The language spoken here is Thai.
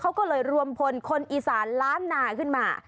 เขาก็เลยรวมพลคนอีสานล้านนาขึ้นมา